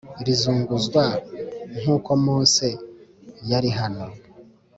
rizunguzwa g nk uko Mose yari hano